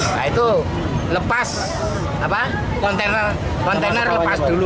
nah itu lepas kontainer lepas dulu